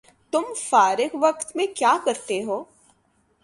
تم فارغ وقت میں کیاکرتےہو؟